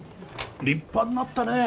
立派になったねえ。